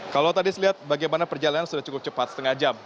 kalau tadi saya lihat bagaimana perjalanan sudah cukup cepat setengah jam